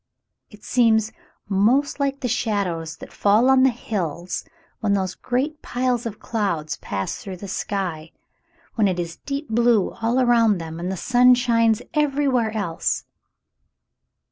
It seems 'most like the shadows that fall on the hills when those great piles of clouds pass through the sky, when it is deep blue all around them and the sun shines everywhere else.'